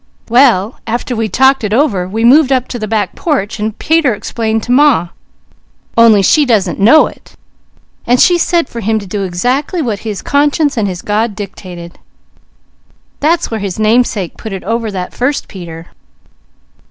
"Well, after we'd talked it over we moved up to the back porch and Peter explained to Ma, who is the boss of that family, only she doesn't know it, and she said for him to do exactly what his conscience and his God dictated. That's where his namesake put it over that first Peter.